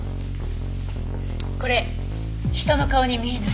これ人の顔に見えない？